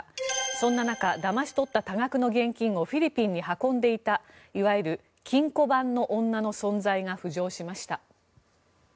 そんな中だまし取った多額の現金をフィリピンに運んでいたいわゆる金庫番の女の存在が浮上しました。